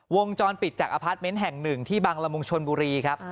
วงจรปิดจากอพาร์ทเมนต์แห่งหนึ่งที่บังละมุงชนบุรีครับ